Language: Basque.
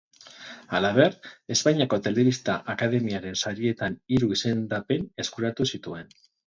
Halaber, Espainiako Telebista Akademiaren sarietan hiru izendapen eskuratu zituen.